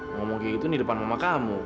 ngomong kayak gitu di depan mama kamu